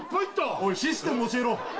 おい、システム教えろ。